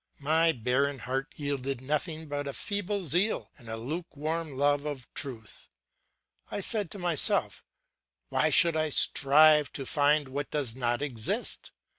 My barren heart yielded nothing but a feeble zeal and a lukewarm love of truth. I said to myself: Why should I strive to find what does not exist?